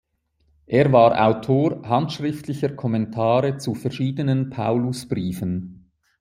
Er war Autor handschriftlicher Kommentare zu verschiedenen Paulusbriefen.